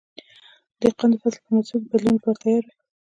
دهقان د فصل په موسم کې د بدلون لپاره تیار وي.